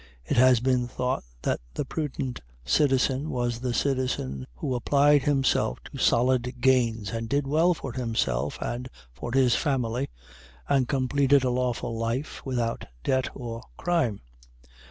It has been thought that the prudent citizen was the citizen who applied himself to solid gains, and did well for himself and for his family, and completed a lawful life without debt or crime.